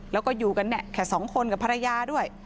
แล้วก็อยู่กันแค่๒คนกับภรรยาด้วย